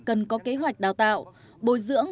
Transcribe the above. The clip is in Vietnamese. cần có kế hoạch đào tạo bồi dưỡng